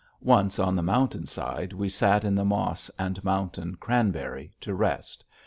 Once on the mountain side we sat down in the moss and mountain cranberry to rest.